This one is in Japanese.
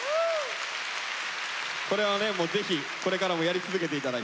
これはねもうぜひこれからもやり続けて頂いて。